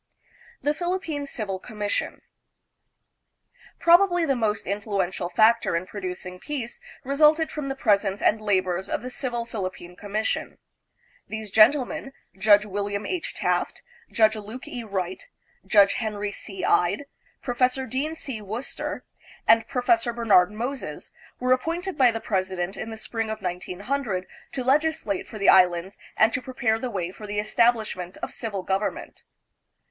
The Philippine Civil Commission. Probably the most influential factor in producing peace resulted from the presence and labors of the Civil Philippine Commission. These gentlemen, Judge William H. Taft, Judge Luke E. Wright, Judge Henry C. Ide, Professor Dean C. Worcester, and Professor Bernard Moses, were appointed by the presi dent in the spring of 1900 to legislate for the Islands and to prepare the way for the establishment of civil government.